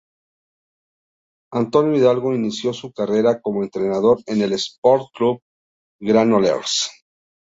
Antonio Hidalgo inició su carrera como entrenador en el Esport Club Granollers.